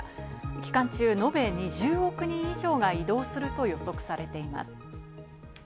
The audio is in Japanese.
期間中、のべ２０億人以上が移動すると予測されています。